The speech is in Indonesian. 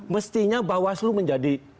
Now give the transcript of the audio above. mestinya bawaslu menjadi